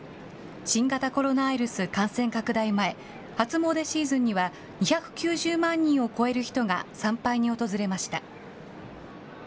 新型コロナウイルス感染拡大前、初詣シーズンには２９０万人を超える人が参拝に訪れました。